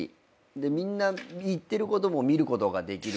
みんな言ってることも見ることができるし。